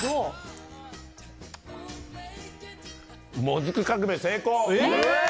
もずく革命成功！